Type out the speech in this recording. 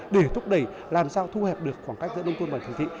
để thúc đẩy làm sao thu hẹp được khoảng cách giữa nông thôn và thành thị